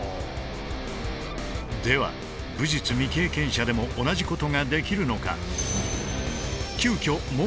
では武術未経験者でも同じことができるのか。